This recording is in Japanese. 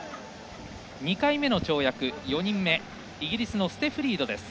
２回目の跳躍４人目、イギリスのステフ・リード。